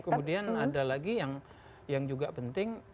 kemudian ada lagi yang juga penting